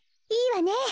いいわね。